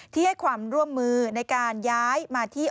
ที่ให้ความร่วมมือในการย้ายมาที่